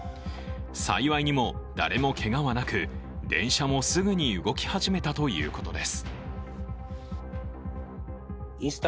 幸いにも誰もけがはなく電車もすぐに動き始めたということです。